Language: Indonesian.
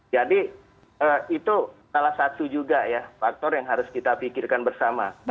jadi itu salah satu juga ya faktor yang harus kita pikirkan bersama